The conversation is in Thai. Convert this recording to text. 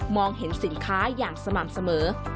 เห็นสินค้าอย่างสม่ำเสมอ